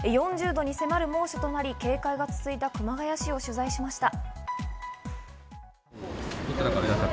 ４０度に迫る猛暑となり、警戒が続いた熊谷市を取材しました。